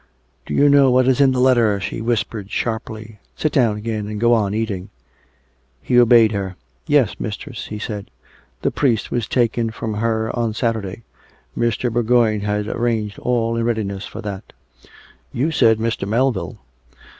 "Do you know what is in the letter?" she whispered sharply. (" Sit down again and go on eating.") He obeyed her. " Yes, mistress," he said. " The priest was taken from her on Saturday, Mr. Bourgoign had arranged all in readiness for that." " You said Mr. Melville."